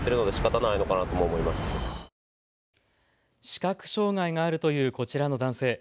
視覚障害があるというこちらの男性。